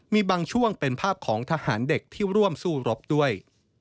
มีบางช่วงเป็นภาพของทหารเด็กที่ร่วมสู้รบด้วย